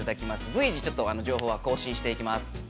随時情報は更新していきます。